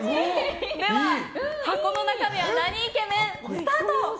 では箱の中身はなにイケメン？スタート。